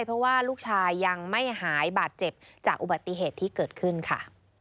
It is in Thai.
เพราะว่าลูกชายยังไม่หายบาดเจ็บจากอุบัติเหตุที่เกิดขึ้นค่ะ